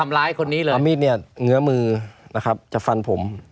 อามีดเนี่ยเหนือมือนะครับจากฟันผม